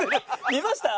見ました？